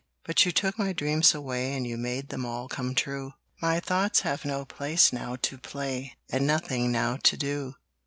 But you took my dreams away And you made them all come true My thoughts have no place now to play, And nothing now to do.